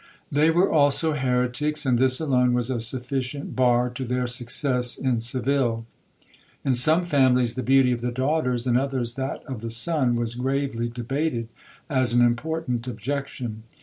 They were also heretics,—and this alone was a sufficient bar to their success in Seville. In some families the beauty of the daughters, in others that of the son, was gravely debated as an important objection.